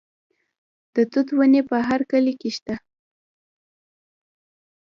د توت ونې په هر کلي کې شته.